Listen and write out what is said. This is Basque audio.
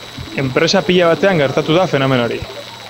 Enpresa pilo batean gertatu da fenomeno hori.